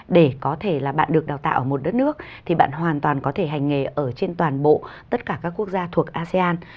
để có thể là bạn được đào tạo ở một đất nước thì bạn hoàn toàn có thể hành nghề ở trên toàn bộ tất cả các quốc gia thuộc asean